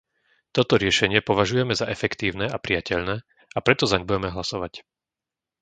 Toto riešenie považujeme za efektívne a prijateľné, a preto zaň budeme hlasovať.